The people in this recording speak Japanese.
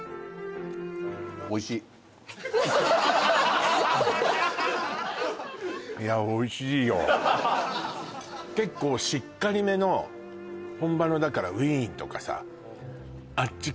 いや結構しっかりめの本場のだからウィーンとかさあっち